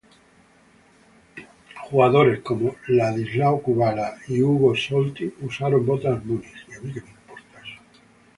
Jugadores como Ladislao Kubala y Hugo Sotil usaron botas Munich.